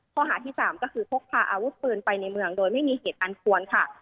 ข้อหาที่๓ก็คือพกพาอาวุธปืนไปในเมืองโดยไม่มีเหตุอันควรค่ะ